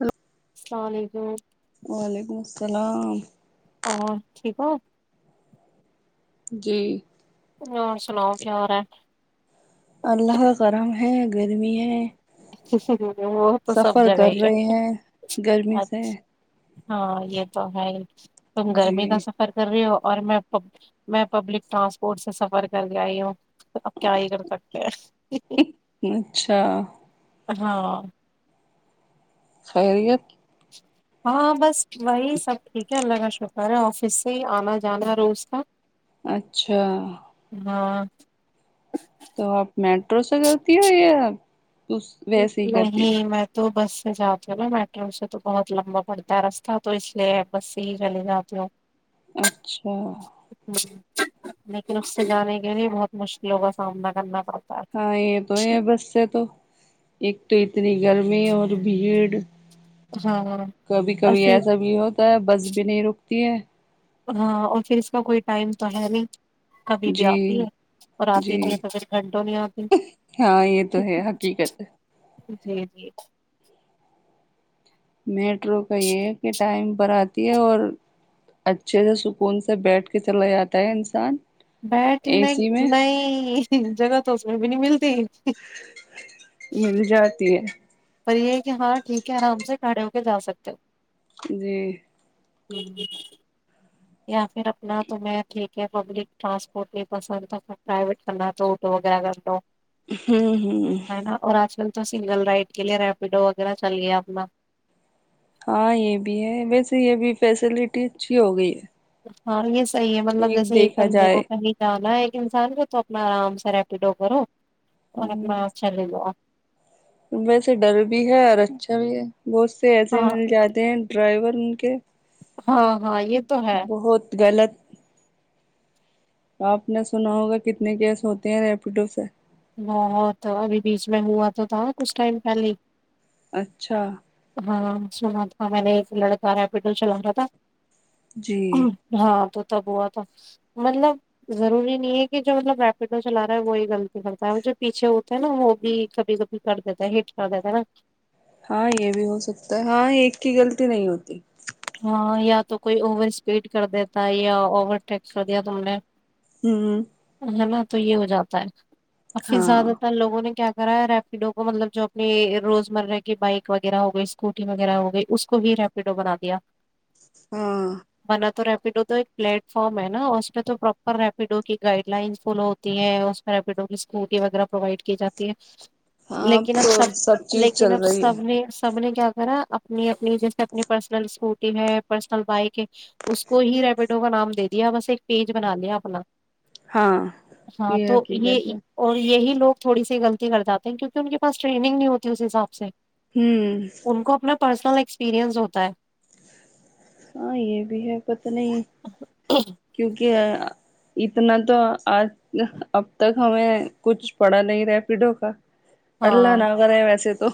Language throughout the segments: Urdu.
ہاں السلام علیکم وعلیکم السلام اور ٹھیک ہو جی اور سناؤ کیا ہو رہ ہے اللہ کا کرم ہے گرمی ہے ہ ہ [unintelligible] سفر کر رہے ہیں گرمی اچ- سے ہاں یہ تو ہے تم جی گرمی کا سفر کر رہے ہو اور میں میں پبلک ٹرانسپورٹ سے سفر کر گیائی ھمم آپ کیا ہی کر سکتے ہیں اچھا ہاں خیریت ہاں بس وہی سب ٹھیک کیا اللہ کا شکر ہے آفس سے ہی آنا جانا ہے روز کا اچھا ہاں تو آپ میٹرو سے کرتی ہو یا ویسے ہی کرتی نہیں ہو میں تو بس سے جاتی ہوں نا میٹرو سے تو بہت لمبا پڑتا ہے رستہ تو اس لیے بس سے ہی چلی جاتی ہوں اچھا لیکن اس سے جانے کے لیے بہت مشکلوں کا سامنا کرنا پڑتا ہے ہاں یہ تو ہی ہے بس سے تو ایک تو اتنی گرمی اور بھیڑ ہاں اور کبھی کبھی پھر ایسا بھی ہوتا ہے بس بھی نہیں رک تی ہے ہاں اور پھر اس کا کوئی ٹائم تو ہے نہیں کبھی بھی جی آتی ہے اور آتی جی نہیں ہے تو پھر گھنٹوں نہیں آتی ہاں یہ تو ہے حقیقت ہے جی جی میٹرو کا یہ ہے کہ ٹائم پر آتی ہے اور اچھے سے سکون سے بیٹھ کے چلا جاتا ہے انسان اے بیٹھنے سی نہیں میں نہیں جگہ تو وہ بھی نہیں ملتی مل جاتی ہے اور یہ ہے کہ ہاں ٹھیک ہے آرام سے کھڑے ہو کے جا سکتے ہیں جی [inaudible] یا پھر اپنا تم ٹھیک ہے پبلک ٹرانسپورٹ ہی پسند تھا پرائیویٹ کرنا تو آٹو وغیرہ کر دو ہمم ہمم آج کل تو سنگل رائڈ کے لیے ریپیڈو وغیرہ چلیے اپنا ہاں یہ بھی ہے ویسے یہ بھی فیسلٹی اچھی ہو گئی ہے ہاں یہ صحیح ہے مطلب جیسے ایک دیکھا بندے جائے کو کہیں جانا ہے ایک انسان کے تو اپنا آرام سے ریپیڈو کرو اور ہ اپنے آپ چلے جو ویسے ڈر بھی ہے اور اچھا بھی ہے بہت سے ایسے ہاں مل جاتے ہیں ڈرائیور ان کے ہاں ہاں یہ تو ہے بہت غلط آپ نے سنا ہوگا کتنے کیس ہوتے ہیں ریپیڈو سے بہت ابھی بیچ میں ہوا تو تھا کچھ ٹائم پہلے اچھا ہاں سنا تھا میں نے ایک لڑکا رپڈو چلا رہا تھا جی ہاں تو تب ہوا تھا مطلب ضروری نہیں ہے کہ جو مطلب ریپڈو چلا رہا ہے وہی غلط کرتا ہے جو پیچھے ہوتے ہے نا وہ بھی کبھی کبھی کر دیتا ہے ہٹ کر دیتا ہے نا ہاں یہ بھی ہو سکتا ہے ہاں ایک کی غلطی نہیں ہوتی ہاں یا تو کوئی اوور اسپیڈ کر دیتا ہے یا اوور ٹیک کر دیا تم نے ہوں ہے نا تو یہ ہو جاتا ہے افی ہاں زیادہ تر لوگوں نے کیا وغیرہ ریپیڈو کو مطلب جو اپنی روزمرہ کی بائک وغیرہ ہو گئی اسکوٹی وغیرہ ہو گئی اس کو بھی ریپیڈو بنا دیا ہاں ریپڈو تو ایک پلیٹ فارم ہے نا اس میں تو پراپر ریپیڈو کی گائڈ لائنس فالو ہوتی ہے اس میں ریپیڈو کی اسکوٹی وغیرہ پروائڈ کی جاتی ہے ہاں لیکن اب تو سب چیز لیکن چل اب رہی ہے سب نے سب نے کیا کرا اپنی اپنی جیسے اپنی پرسنلکوٹ ہے پرسنل بائک اس کو ہی ریپیڈو کا نام دے دیا بس ایک پیج بنا لیا اپنا ہاں ہاں یہ تو حقیقت یہ ہے اور یہی لگ تھوڑی سی غلی کر جاتے ہیں کیونکہ ان کے پاسٹرینگ نہیں ہوتی اس حساب سے ہوں ان کو اپنا پرسنل ایکسپییرئنس ہوتا ہے ہاں یہ بھی ہے پت نہیں کیونکہ اتنا تو آج اب تک ہمیں کچھ پڑا نہیں رہا پیڈو کا اللہ ہاں ناگگرے ویس تو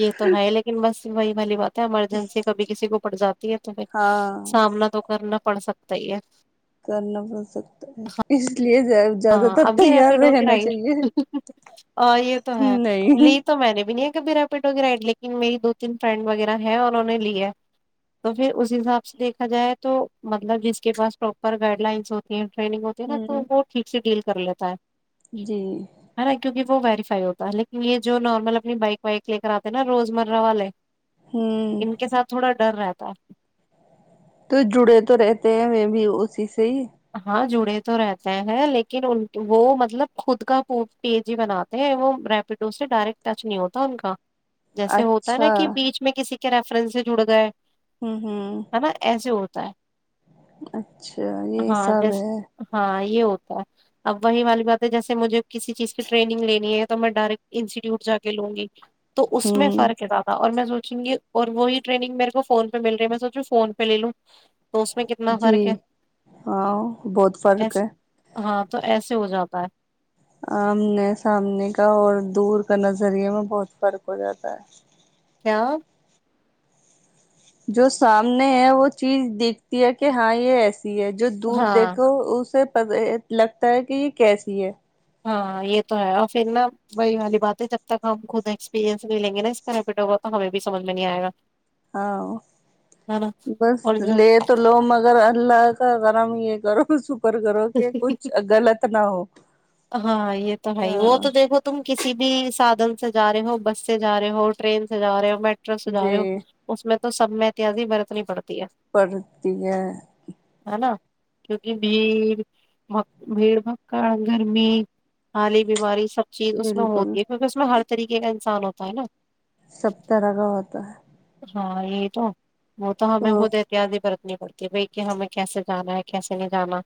یہ تو ہے لیکن بس وہی والی بات [unintelligible] ایمرجنسی کبھی کسی کو [unintelligible] پ جات [unintelligible] تو پھر ہاں سامنا تو کرنا [unintelligible] پڑ سکتا ہی ہے [unintelligible] کرنا پڑ سکتا ہے اس لیے زیادہ ہاں تر ابھی تیار ریپڈو کر رہنا چاہیے یہ تو ہے نہیں لی تو میں نے بھی نہیں بیرا پیٹ کی رائڈ لیکن میری دو تین فرینڈ وغیرہ ہے انہوں نے ل ہے تو پھر اس حساب سے دیکھا جائے تو مطلب جس کے پاس پروپر گائڈ لائنس ہوتی ہیں ٹرینگ ہوتی ہے نا تو ہوں وہ [unintelligible] سے ڈیل کر لیتا ہے [unintelligible] جی [unintelligible] ہے نا کیونکہ وہ ویریفائی ہوتا ہے لیکن یہ جو نارمل اپنی بائک وائک لے کر آتے ہیں نا روزمرہ والے ہوں [unintelligible] ان کے ساتھ تھوڑا ڈر رہتا ت [unintelligible] تو جڑے تو رہتے ہیں میں بھی اسی سے ہی ہاں جو [unintelligible] ڑے تو رہتے ہیں لیکن وہ مطلب خود کا پ پی جی بناتے ہیں وہ ریپڈو سے ڈائریکٹ ٹچ نہیں ہوتا ان کا [unintelligible] جیسے ہوتا ہے نا اچھا کہ بیچ میں کسی کے ریفرنس سے جڑ گئے ہے [unintelligible] ہوں ہے نا ایسے [unintelligible] سائے [unintelligible] اچ [unintelligible] اچھا یہی سب ہے ہاں یہ ہوتا ہے اب وہی والی بات ہے جیسے مجھے کسی چیز کی ٹرینگ لینی ہے تو میں ڈائریکٹ انسٹیٹیوٹ جا کے لوں گی [unintelligible] تو اس میں ہوں فرق ہے زیادہ اور میں سوچوں گی اور وہی ٹریننگ میرے کو فون پہ مل رہی ہے میں سوچوں فون پہ لے لوں [unintelligible] تو اس میں کتنا جی فرق ہے [unintelligible] ہاں بہت فرق ایسے ہے ہاں تو ایسے ہو جاتا ہے [unintelligible] آمنے سامنے کا اور دور کا نظریے میں بہت فرق ہو جاتا ہے کیا [unintelligible] جو سامنے ہے وہ چیز دیکھتی ہے کہ ہاں یہ ایس ہے جو دور ہاں دیکھو اسے [unintelligible] لگتا ہے کہ یہ کیسی ہے [unintelligible] ہاں یہ تو ہے اور پھر نا وہی والی بات ہے جب تک ہم خود ایکسپیرئنس نہیں لیں گے نا اس کا ریپیٹ ہوگا تو ہمیں بھی سمج میں نہیں آئے گا [unintelligible] ہاں ہے نا بس اور لے تو لو مگر اللہ کا گرم یہ سر س کر کرو کہ جب کچھ غلط نہ ہو ہاں یہ تو ہے ہی وہ ہاں تو دیکھو تم کسی بھی سادھن سے ج رہے ہو بس سے جا رہے ہو ٹرین سے جا رہے ہو مٹ ر سجاو جی اس میں تو سب میں احتیازی برتنی پڑتا پڑھتی ہے ہے نا کیونکہ بھی بھیڑ بھککڑ گرمی آالی بیماری سب چیز اس میں بالکل ہوتی ہے کیونکہ اس میں ہر طریقے کا انسان ہوتا ہے نا سب طرح کا ہوتا ہے ہاں یہ تو وہ تو ہمیں خود احتیاط ہی برتنی کرتی بھائی کہ ہمیں کیسے جانا ہے کیسے نہیں جانا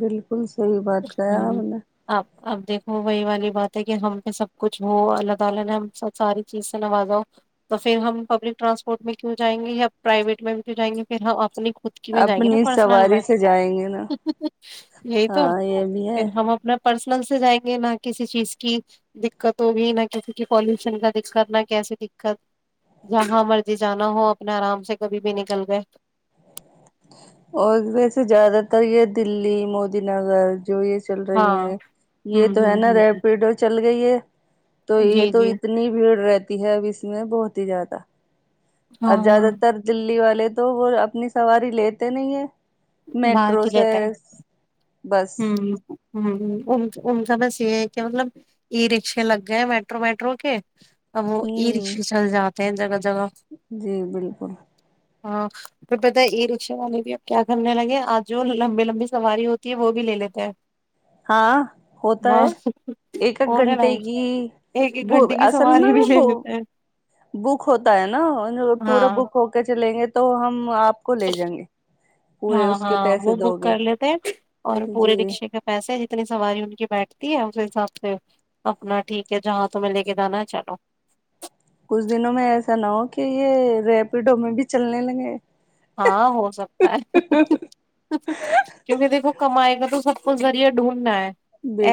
بالکل صحی بات کر آپ ہوں نے اب اب دیکھو وہی والی بات ہے کہ ہم پہ سب کچھ ہو اللہ تعالی نے ہم سب ساری چیز سے نوازاؤ تو پھر ہم پبلک ٹرانسپورٹ میں کیوں جائیں گے یا پرائیویٹ میں کیوں جائیں گے پھر ہم اپنی اتکی بھی جائے گ نا اپنی پ سواری میں سے جائیں گے نا یہی تو ہاں یہ بھی ہے پھر ہم اپنا پرسنل سے جائیں گے نہ کسی چیز کی دقت ہوگ نہ کسی کی پالوشن کا دقت نہ کیسی دقت جہاں مرضی جانا ہو اپنے آرام سے کبھی بھی نکل گئے اور ویسے زیادہ تر یہ دلی مودی نگر جو یہ چل رہی ہاں ہیں یہ ہوں تو ہے ہوں نا ہوں ریپڈ چل گے تو ہ یہ جی تو جی اتنی بھیڑ رہتی تی ہے اب اس میں بہت ہی زیادہ ہاں اور ہاں زیادہ تر دلی والے تو وہ اپنی سواری لیتے نہیں ہے باہر میٹرو کی سے لیتا ہے بس ہ ہ ان کا بس یہ ہے کہ مطلب ای رکشے لگ گئے میٹرو ویٹرو کے اب وہ ای ہوں رکشے چل جاتا تر جی بالکل ہاں توھر پتا ای رکشا والے بھی کیا کرھرنے لگے آج جو لمبی لمبی سواری ہوتی ہے وہ بھی لے لیتے ہیں ہاں ہوتا ہاں ہے ایک ایک ہونے لگا گھنٹے کی ایک ایک ب گھنٹے کی اصل میں سواری بھی ب لے لیتے ہیں بک ہوتا ہے نا پورا ہاں بک ہو کے چلیں گے تو تو ہم [unintelligible] لے جائیں گے پورے ہاں اس کے ہاں پیسے وہ دو بک گے کر لیتے اور جی پورے رکشے کے پیسے [unintelligible] اپتنی سواری ان کی بیٹھتی ہے اسی حساب سے اپنا ٹھیک ہے جہاں تہیں لے کے جانا ہے چلو [unintelligible] کچھ دنوں میں ایسا نہ ہو کہ یہ ریپیڈو میں بھی چلنے لگے ہاں ہو سکتا ہے کیونکہ دیکھو کمائی کا تو سب پ زری ڈھونڈا ہے [unintelligible]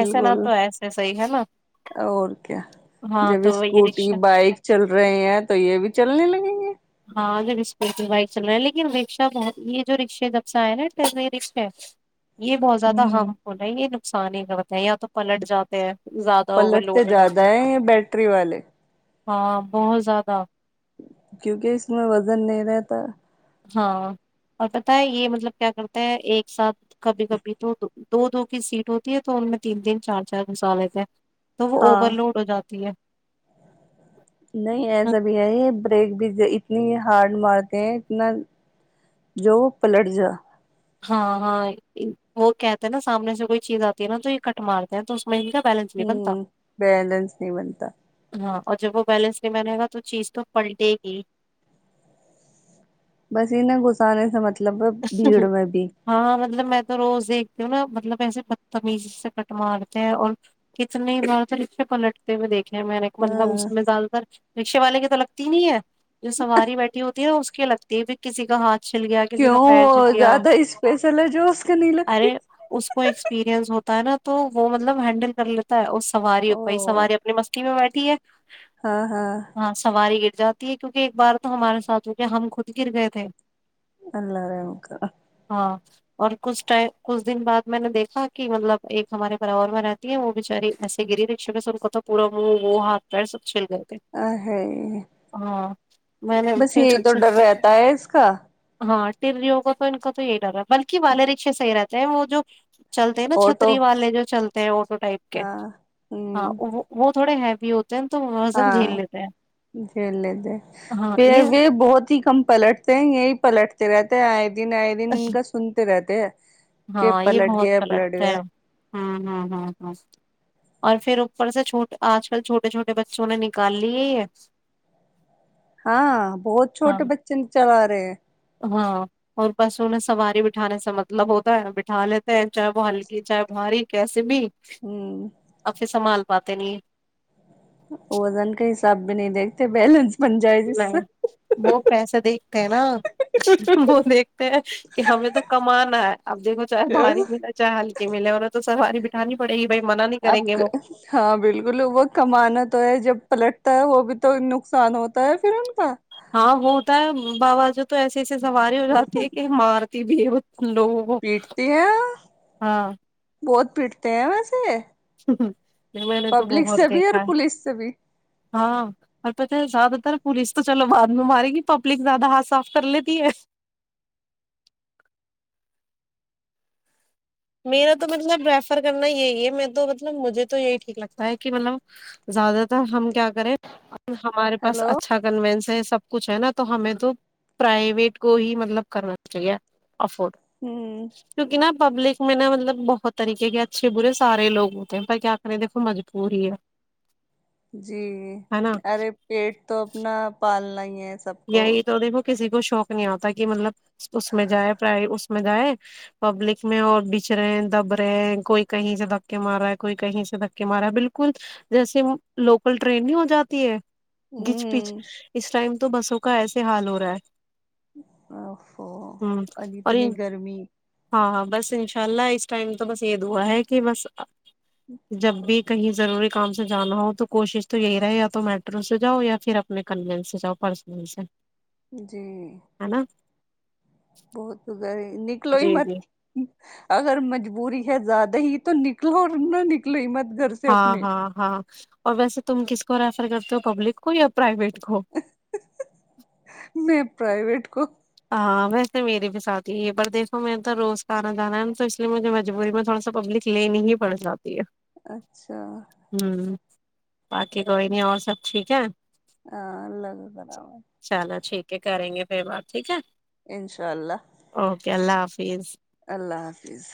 ایسا نہ تو ایسے صحیح ہے نا اور کیا ہاں جب تو یہ اسکوٹی رکشا بائک چل رہے ہیں تو یہ بھی [unintelligible] چلنے لگیں گے [unintelligible] ہاں جو رسپورٹل بائک چل رہا لیکن رکشا بہت یہ جو رکشے جب سے آئے نا رکشے ہے یہ بہت زیادہ ہوں ہارم فل ہے یہ [unintelligible] سانی کا بتا ہے یا تو پلٹ جاتے ہیں [unintelligible] اوور پلٹ تو لوڈ ہو زیادہ جاتے ہیں ہے بیٹری والے ہاں بہت زیادہ کیونکہ اس میں وزن نہیں رہتا ہاں اور پت ہے یہ مطلب کیا کرتا ہیں ایک ساتھ کبھی کبھی تو دو دو کی سیٹ ہوتی ہے تو ان میں تین تین چار چار گسال لیتے ہیں تو وہ ہاں اوور لوڈ ہو جاتی ہے نہیں ایسا بھی ہے یہ بریک بھی اتنی ہارڈ مارتے ہیں اتنا جو پلٹ جا [unintelligible] ہاں ہاں وہ کہتے ہیں نا سامنے سے کوئی چیز آتی ہے نا تو یہ کٹ مارتے ہیں تو میں ان کا بیلنس نہیں ہوں بنتا بیلنس نہیں بنتا [unintelligible] ہاں اور جب وہ بیلنس نہیں میں نے گا تو چیز تو پلٹے گی [unintelligible] بس انہیں غسہ نہیں سمجھ مطلب بھیڑ میں بھی [unintelligible] ہاں مطلب میں تو روز دیکھتی ہوں نا مطلب ایسے بدتمیزی سے کٹ مارتے ہیں اور کتنے زے پلٹتے ہوئے دیکھتے [unintelligible] میں نے مطلب ہاں اس میں زیادہ تر [unintelligible] رکشے والے کی تو لگتی ہی نہیں ہے [unintelligible] جو سواری بیٹھی ہوتی ہے ن اس لگتی ہے بھی کسی کا ہاں [unintelligible] چھل گیا کسی کا [unintelligible] ا گیا زیادہ اس پیس ل جوس کا نہیں لگتی [unintelligible] تا ہے نا تو وہ مطلب ہینڈل کر لیتا ہے اس [unintelligible] سواری ا پائی او سواری اپنی مستی میں بیٹھ [unintelligible] پی ایچ [unintelligible] ہاں سواری کے [unintelligible] جاتی ہے کیونکہ ایک بار تو ہمارے ساتھ ہو گ ہم خود گر گئے تھے اللہار مک ہاں اور کچھ ٹم کچھ دن بعد میں نے دیکھا کہ مطلب ایک ہمارے پاار میں رہتی ہے وہ بچاری ایسے گری رکشک سے ان کو تو پورا وہ وہ ہاتھ پیر اچ ہے ہاں میں بس نےھر یہی تو سے ڈر رہتا ہے اس کا ہاں ی کو تو ان کا تو یہی ڈرا ہے بلکہ والے رکشے صحی رہتے ہیں وہ جو چلتے ہیں نا آٹو چھتری والے جو چلتے [inaudible] پ کے ہاں ہ ہاں وہ تھڑے بھی ہاں جھیل ہاں یہ لیتے بہت ہی کم پلٹتے ہیں یہی پلٹتے رہتے آئے دن آئے دن ان کا سنتے رہتے کہ ہاں یہ پلٹ بہت گیا پلٹ پلٹتا ہے گیا ہاں ہ ہ ہ اور پھر اوپر سے چھوٹ آج کل چھوٹے چھوٹے بچوں نے نکال لیے یہ ہاں بہت ہاں چھوٹے بچے چلا رہے تے ہاں اور پشوں نے سواری بٹھانے سے مطلب ہوتا ہے بٹھا لیتے ہیں چاہے وہ ہلکی چاہے بھاری کیسے بھی ہوں پات نہیں وزن کا حساب بھی نہیں دیکھتے بیلنس بن جائے جس سے نہیں وہ پیسے دیکھتے ہیں نا وہ دیکھتے ہیں کہ ہمیں تو کمانا ہے اب دیکھو چاہے بھاری ملے چاہے ہلکے ملے ہیں تو سواری جانی پڑی آپ ہاں بالکل وہ کمانا تو ہے جب پلٹتا ہے وہ بھی تو نقصان ہوتا ہے پھر ان کا ہاں وہ ہوتا ہے بابا جو تو ایسے ایسے سواری ہو جاتی ہے کہ مارتی بھی ہے ل پیٹتی ہے ہاں بہت پیٹتے ہیں ویسے ہ ہ پبلک سے بھی اور پولیس سے بھی ہاں اور پتاہ ہے زیادہ تر پولیس تو چلو بعد میں مارے گی پبلک زیادہ ہاتھ صاف کر لیتی ہے میرا تو مطلب ریفر کرنا یہی ہے میں تو مطلب مجھے تو یہی ٹھیک لگتا ہے کہ مطلب زیادہ تر ہم کیا کریں ہمارے پاس ہیلو اچھا کنوینس ہے سب کچھ ہے نا تو ہمیں تو پرائیویٹ کو ہی مطلب کرنا چاہیے افڈ ہ کیونک نا پبلک میں نا مطلب بہت طریقے کے اچھے برے سارے لوگ ہوتے ہیں پر کیا کریں دیکھو مجبور ہی ہے جی ہے نا ارے پیٹ تو اپنا پالنا ہی ہے سب کو یای تو کسی کو شوق نہیں آتا کہ مطلب اس میں جائے پرائی اس میں جائے پبلک میں اور بچھ رہے ہیں دب رہے ہیں کوئی کہیں سے دھکے مار رہا ہے کوئی کہیں سے دھکے مار رہا ہے بالکل جیسے لوکل ٹرین نہیں ہو جاتی ہے گچ پچ ہوں اس ٹائم تو بسوں کا ایسے حال ہو رہا ہے او ہ اور اتنی ان- گرمی ہاں ہاں بس انشاء اللہ اس ٹائم تو بس یہ دعا ہے کہ بس جب بھی کہیں ضروری کام سے جانا ہو تو کوشش تو یہی رہے یا تو میٹرو سے جاؤ یا پھر اپنے کنوینس سے جاؤ پڑ سشن جی بہت اگ ہے نکلو ہی جی مت جی اگر مجبوری زیادہ ہی تو نکلو اور نہ نکلو ہی مت گھر سے ہاں اپنے ہاں ہاں اور ویسے تم کس کو ریفر کرتے ہو پبلک کو یا پرائیویٹ کو پرائیویٹ کو ہاں ویسے میرے بھی ساتھ ہی ہے پر دیکھو میں تو روز کا آنا جانا ہے ن تو اس لیے مجھے مجبوری میں تھوڑا سا پبلک لیننے ہی پڑے جاتا اچھا باقی کوئی نہیں اور سب ٹھیک ہے ہاں الگ کراابا چلو ٹھیک کریں گے پھر بات ٹھیک ہے انشاء اللہ پی [unintelligible] اللہ حافظ